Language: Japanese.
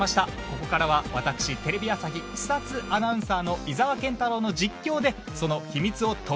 ここからは私テレビ朝日視察アナウンサーの井澤健太朗の実況で。